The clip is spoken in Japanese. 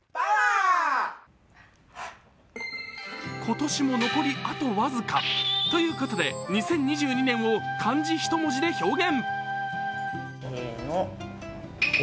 今年も残りあと僅かということで２０２２年を漢字一文字で表現。